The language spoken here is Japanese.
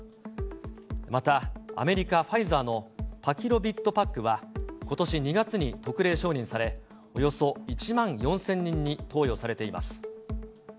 また、アメリカ・ファイザーのパキロビッドパックはことし２月に特例承認され、およそ１万４０００人に投与されています。